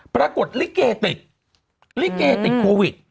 ปรากฏลิเกติดลิเกติดโควิด